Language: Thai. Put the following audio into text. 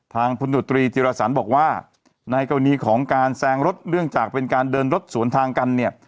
พลตรวจตรีจิรสันบอกว่าในกรณีของการแซงรถเนื่องจากเป็นการเดินรถสวนทางกันเนี่ย